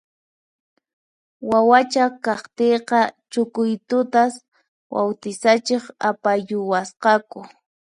Wawacha kaqtiyqa Chucuitutas bawtisachiq apayuwasqaku